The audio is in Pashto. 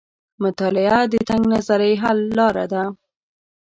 مطالعه د تنګ نظرۍ حل لار ده.